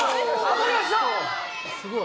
すごい。